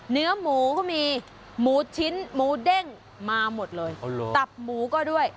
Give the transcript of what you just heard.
เนื้อหมูก็มีหมูชิ้นหมูเด้งมาหมดเลยตับหมูก็ด้วย